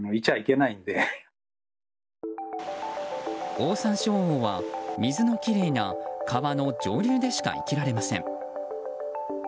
オオサンショウウオは水のきれいな川の上流でしか生きられません。